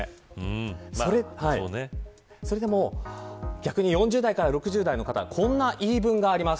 逆に４０代から６０代の方はこんな言い分があります。